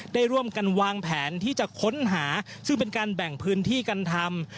ได้ร่วมกันวางแผนที่จะค้นหาซึ่งเป็นการแบ่งพื้นที่กันทำ